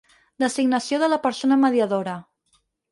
Designació de la persona mediadora.